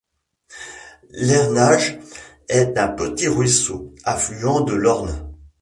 L'Ernage est un petit ruisseau, affluent de l'Orne.